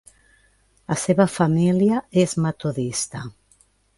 La seva família és metodista.